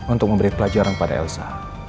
untuk memberi pelajaran pada elsa